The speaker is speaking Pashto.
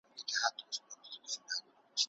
ولي ښوونيز مواد په مورنۍ ژبه کي اغېزمن وي؟